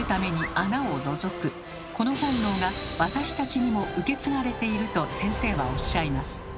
この本能が私たちにも受け継がれていると先生はおっしゃいます。